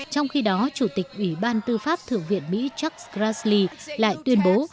trong khi đó chủ tịch ủy ban tư pháp thượng viện mỹ chuck raly lại tuyên bố